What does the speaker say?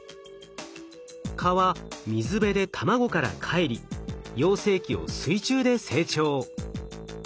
蚊は水辺で卵からかえり幼生期を水中で成長。